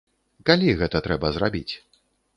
Калі гэта трэба зрабіць?